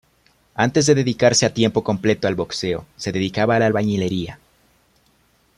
Antes de dedicarse a tiempo completo al boxeo, se dedicaba a la albañilería.